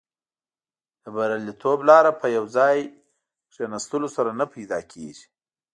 د بریالیتوب لاره په یو ځای ناستلو سره نه پیدا کیږي.